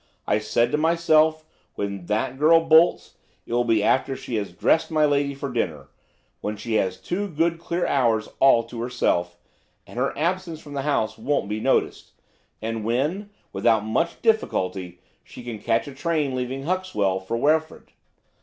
I said to myself, when that girl bolts it will be after she has dressed my lady for dinner–when she has two good clear hours all to herself, and her absence from the house won't be noticed, and when, without much difficulty, she can catch a train leaving Huxwell for Wreford.